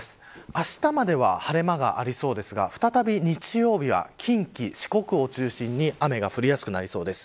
あしたまでは晴れ間がありそうですが再び日曜日は近畿、四国を中心に雨が降りやすくなりそうです。